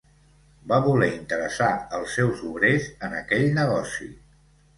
Va voler interessar els seus obrers en aquell negoci.